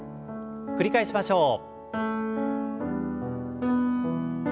繰り返しましょう。